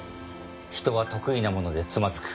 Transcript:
人は得意なものでつまずく。